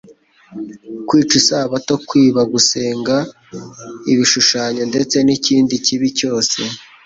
kwica isabato, kwiba, gusenga ibishushanyo ndetse n'ikindi kibi cyose.